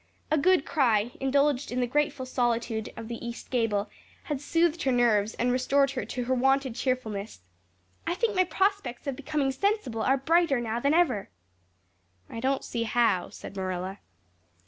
A good cry, indulged in the grateful solitude of the east gable, had soothed her nerves and restored her to her wonted cheerfulness. "I think my prospects of becoming sensible are brighter now than ever." "I don't see how," said Marilla.